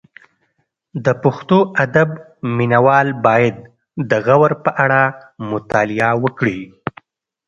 د پښتو ادب مینه وال باید د غور په اړه مطالعه وکړي